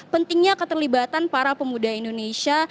pentingnya keterlibatan para pemuda indonesia